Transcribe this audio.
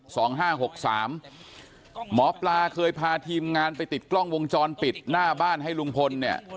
หมอปลาเคยพาทีมงานไปติดกล้องวงจรปิดหน้าบ้านให้ลุงพลเนี่ย